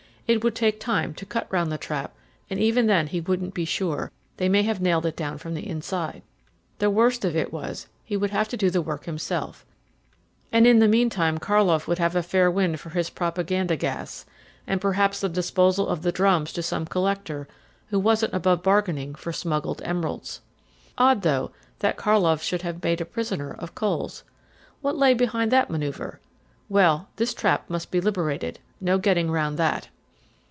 It would take time to cut round the trap; and even then he wouldn't be sure; they might have nailed it down from the inside. The worst of it was he would have to do the work himself; and in the meantime Karlov would have a fair wind for his propaganda gas, and perhaps the disposal of the drums to some collector who wasn't above bargaining for smuggled emeralds. Odd, though, that Karlov should have made a prisoner of Coles. What lay behind that manoeuvre? Well, this trap must be liberated; no getting round that.